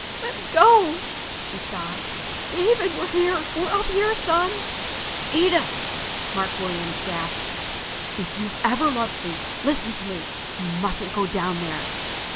"Let me go!" she sobbed. "David, we're here! We're up here, son!" "Edith!" Mark Williams gasped. "If you've ever loved me, listen to me. You mustn't go down there.